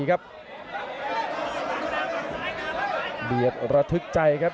เเบียนรันทึกใจครับ